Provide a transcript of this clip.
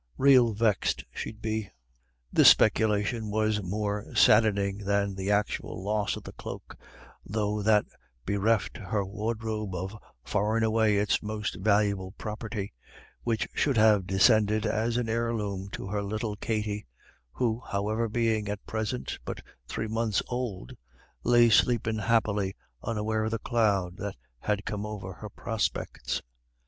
Rael vexed she'd be." This speculation was more saddening than the actual loss of the cloak, though that bereft her wardrobe of far and away its most valuable property, which should have descended as an heirloom to her little Katty, who, however, being at present but three months old, lay sleeping happily unaware of the cloud that had come over her prospects.